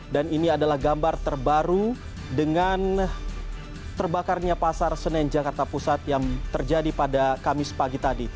dan ini adalah gambar terbaru dengan terbakarnya pasar senen jakarta pusat yang terjadi pada kamis pagi tadi